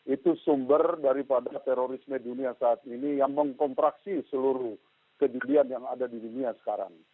itu sumber daripada terorisme dunia saat ini yang mengkontraksi seluruh kejadian yang ada di dunia sekarang